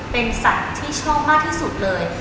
เป็นสัตว์ที่ชอบมากที่สุดเลย